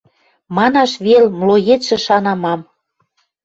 Манаш вел, млоецшӹ шана мам!